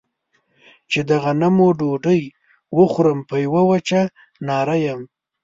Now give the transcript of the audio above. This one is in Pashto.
چې د غنمو ډوډۍ وخورم په يوه وچه ناره يم.